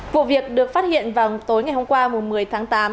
vụ việc được phát hiện vào tối ngày hôm qua một mươi tháng tám